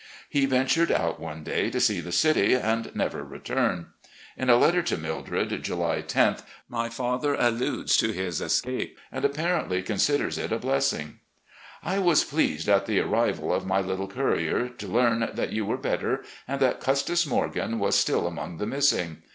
He ventured out one day to see the city, and never re turned. In a letter to Mildred, July loth, my father alludes to his escape, and apparently considers it a blessing: "... I was pleased on the arrival of my little courier to learn that you were better, and that 'Custis Morgan ' was still among the missing.